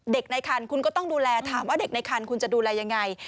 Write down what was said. เด็กในครรภ์คุณก็ต้องดูแลถามว่าเด็กในครรภ์คุณจะดูแลอย่างไร